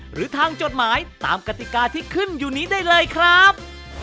หรือทางจดหมายตามกติกาที่ขึ้นอยู่นี้ได้เลยครับ